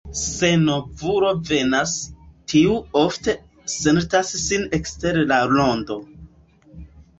Se novulo venas, tiu ofte sentas sin ekster la rondo.